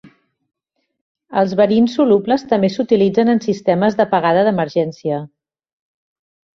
Els verins solubles també s'utilitzen en sistemes d'apagada d'emergència.